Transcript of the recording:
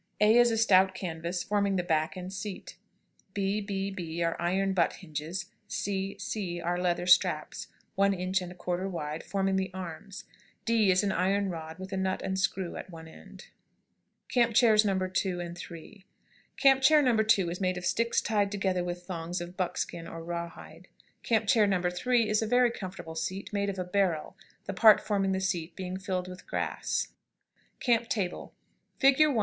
A is a stout canvas, forming the back and seat; b, b, b are iron butt hinges; c, c are leather straps, one inch and a quarter wide, forming the arms; d is an iron rod, with nut and screw at one end. [Illustration: CAMP CHAIRS. NOS. 2 AND 3.] CAMP CHAIR NO. 2 is made of sticks tied together with thongs of buckskin or raw hide. CAMP CHAIR NO. 3 is a very comfortable seat, made of a barrel, the part forming the seat being filled with grass. [Illustration: CAMP TABLE.] CAMP TABLE.